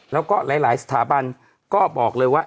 แล้วก็หลายสถาบันก็บอกเลยว่า